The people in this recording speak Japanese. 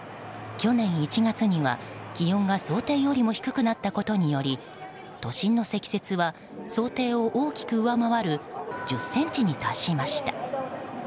去年１月には、気温が想定よりも低くなったことにより都心の積雪は想定を大きく上回る１０ｃｍに達しました。